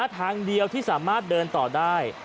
ทางเดียวที่สามารถเดินต่อได้